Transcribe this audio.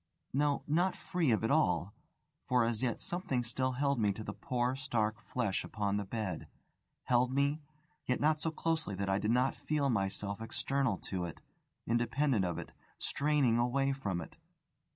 No, not free of it all; for as yet something still held me to the poor stark flesh upon the bed held me, yet not so closely that I did not feel myself external to it, independent of it, straining away from it.